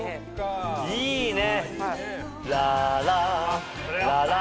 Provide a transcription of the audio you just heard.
いいね！